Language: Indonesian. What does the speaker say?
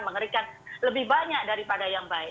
mengerikan lebih banyak daripada yang baik